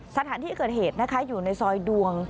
สถานที่เกิดเหตุนะคะอยู่ในซอยดวง